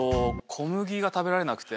小麦食べられなくて。